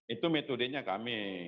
itu metodenya kami